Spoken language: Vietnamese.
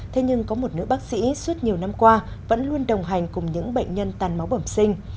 thế nhưng có một nữ bác sĩ suốt nhiều năm qua vẫn luôn đồng hành cùng những bệnh nhân tàn máu bẩm sinh